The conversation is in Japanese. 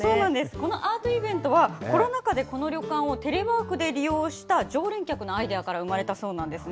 このアートイベントは、コロナ禍でこの旅館をテレワークで利用した常連客のアイデアから生まれたそうなんですね。